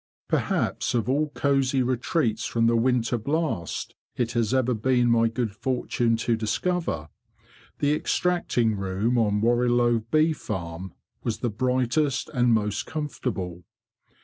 Perhaps of all cosy retreats from the winter blast it has ever been my good fortune to discover, the extracting room on Warrilow bee farm was the brightest and most comfortable.